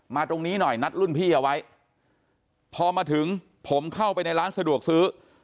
ตรงนี้หน่อยนัดรุ่นพี่เอาไว้พอมาถึงผมเข้าไปในร้านสะดวกซื้อ